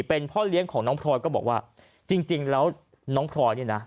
เป็นพ่อเลี้ยงของน้องพลอยก็บอกว่าจริงแล้วน้องพลอยเนี่ยนะ